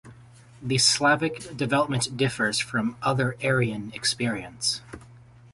The Slavic development differs from other Aryan experience.